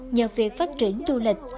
nhờ việc phát triển du lịch